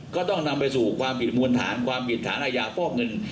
ก็ต้องนำไปสู่ความผิดมวลฐานความผิดฐานอาญาฟอกเงิน